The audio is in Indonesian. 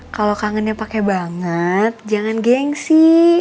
kalau kangennya pakai banget jangan gengsi